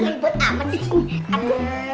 libut amat sih